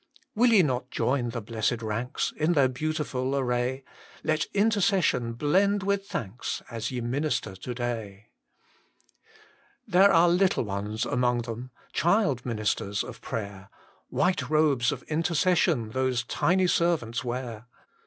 Will ye not join the blessed ranks In their beautiful array? Let intercession blend with thanks As ye minister to day 1 There are little ones among them Child ministers of prayer, White robes of intercession Those tiny servants wear.